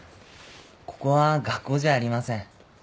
ここは学校じゃありません。